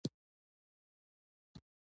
دوهم کس په ټیم کې ټیکنالوژیست دی.